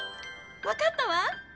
わかったわ！